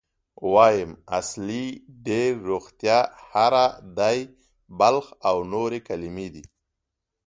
وایم، اصلي، ډېر، روغتیا، هره، دی، بلخ او نورې کلمې دي.